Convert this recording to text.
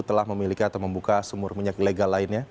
telah memiliki atau membuka sumur minyak ilegal lainnya